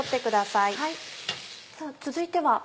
さぁ続いては？